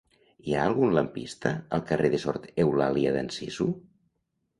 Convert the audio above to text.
Hi ha algun lampista al carrer de Sor Eulàlia d'Anzizu?